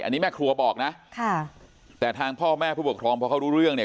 อันนี้แม่ครัวบอกนะค่ะแต่ทางพ่อแม่ผู้ปกครองพอเขารู้เรื่องเนี่ย